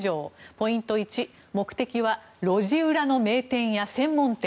ポイント１目的は路地裏の名店や専門店。